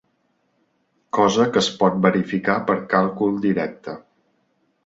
Cosa que es pot verificar per càlcul directe.